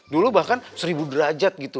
dulu bahkan seribu derajat gitu